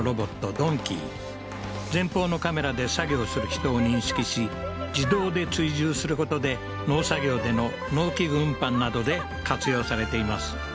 ＤＯＮＫＥＹ前方のカメラで作業する人を認識し自動で追従することで農作業での農機具運搬などで活用されています